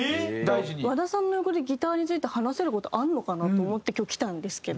和田さんの横でギターについて話せる事あるのかなと思って今日来たんですけど。